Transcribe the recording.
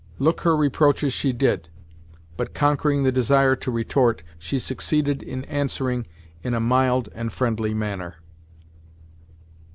Look her reproaches she did, but conquering the desire to retort, she succeeded in answering in a mild and friendly manner.